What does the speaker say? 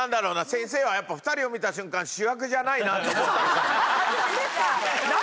先生はやっぱ２人を見た瞬間主役じゃないなと思ったのかな？